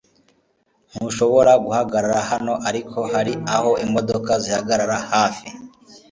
ntushobora guhagarara hano. ariko, hari aho imodoka zihagarara hafi